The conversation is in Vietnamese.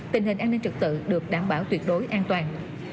tình hình an ninh trật tự được đảm bảo tuyệt đối an toàn